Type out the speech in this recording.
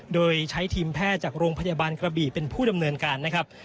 โดยใช้ทีมแพทย์จากโรงพยาบาลกระบี่เป็นผู้ดำเนินการนะครับ